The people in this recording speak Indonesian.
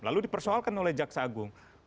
lalu dipersoalkan oleh jaksa agung